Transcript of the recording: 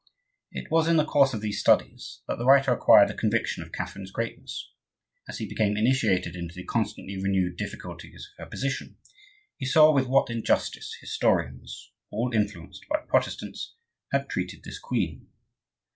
It was in the course of these studies that the writer acquired the conviction of Catherine's greatness; as he became initiated into the constantly renewed difficulties of her position, he saw with what injustice historians—all influenced by Protestants—had treated this queen.